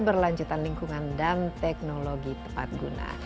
keberlanjutan lingkungan dan teknologi tepat guna